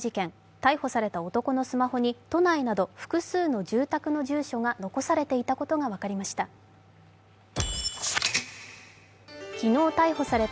逮捕された男のスマホに、都内など複数の住宅の住所が残されていたことが分かりました。